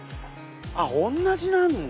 同じなんだ！